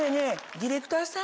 ディレクターさん